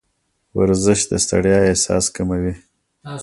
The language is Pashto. ورزش د ستړیا احساس کموي.